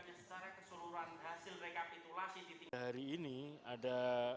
hari ini ada